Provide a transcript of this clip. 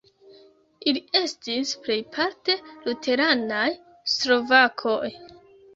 Ili estis plejparte luteranaj slovakoj.